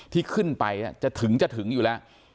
ที่ขึ้นไปจะถึงจะถึงอยู่แล้ว